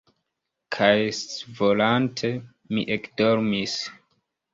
Kaj scivolante, mi ekdormis.